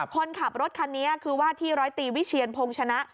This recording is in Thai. คนขับรถคันนี้คือว่าที่ร้อยตีวิเชียนพงชนะ